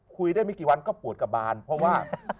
คุยได้ไม่กี่วันก็ปวดกระบานเพราะว่า